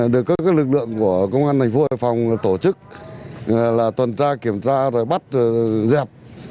được các lực lượng của công an thành phố hải phòng tổ chức là tuần tra kiểm tra rồi bắt dẹp